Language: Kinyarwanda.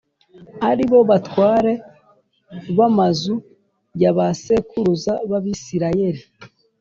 ari bo batware b’amazu ya ba sekuruza b’Abisirayeli